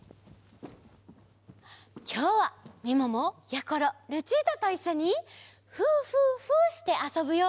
きょうはみももやころルチータといっしょに「ふーふーふー」してあそぶよ。